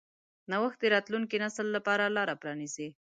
نوښت د راتلونکي نسل لپاره لاره پرانیځي.